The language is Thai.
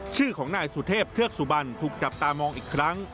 ชื่อของนายสุเทพเทือกสุบันถูกจับตามองอีกครั้ง